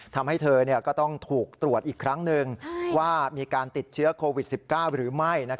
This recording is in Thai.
ทำให้เธอก็ต้องถูกตรวจอีกครั้งหนึ่งว่ามีการติดเชื้อโควิด๑๙หรือไม่